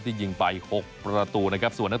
ที่ยิงไป๖ประตูนะครับ